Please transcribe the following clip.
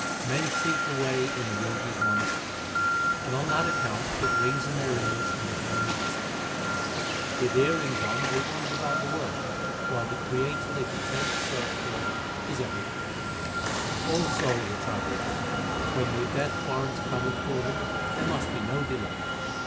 Men seek the way in a Jogi s monastery ; And on that account put rings in their ears and become his disciples. With earrings on they wander about the world, While the Creator they pretend to search for is everywhere. HYMNS OF GURU NANAK 357 All souls are travellers : When the death warrant cometh for them there must be no delay.